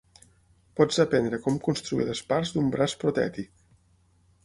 Pots aprendre com construir les parts d'un braç protètic.